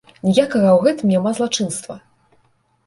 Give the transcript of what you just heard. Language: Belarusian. Ніякага ў гэтым няма злачынства!